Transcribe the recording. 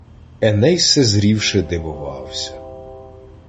Еней, се зрівши, дивовався